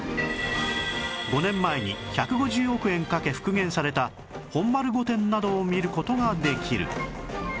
５年前に１５０億円かけ復元された本丸御殿などを見る事ができる